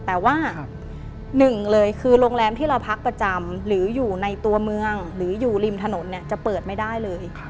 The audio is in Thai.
แต่ว่าหนึ่งเลยคือโรงแรมที่เราพักประจำหรืออยู่ในตัวเมืองหรืออยู่ริมถนนเนี่ยจะเปิดไม่ได้เลย